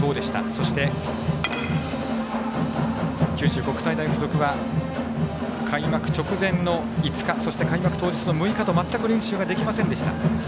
そして、九州国際大付属は開幕直前の５日そして開幕当日の６日と全く練習ができませんでした。